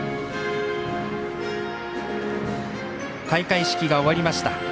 開会式が終わりました。